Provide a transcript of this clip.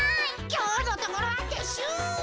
きょうのところはてっしゅう。